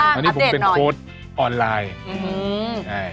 ตอนนี้ผมเป็นโค้ดออนไลน์